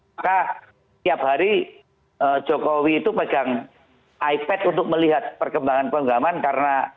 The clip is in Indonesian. maka tiap hari jokowi itu pegang ipad untuk melihat perkembangan penggaman karena